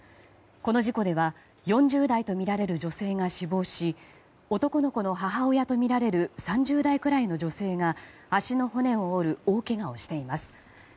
この事故では４０代とみられる女性が死亡し男の子の母親とみられる３０代ぐらいの女性が足の骨を折る大けがをしています。